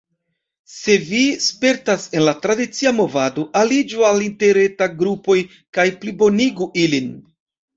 Se vi spertas en la tradicia movado, aliĝu al interretaj grupoj kaj plibonigu ilin.